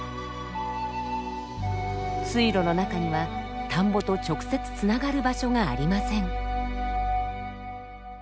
水路の中には田んぼと直接つながる場所がありません。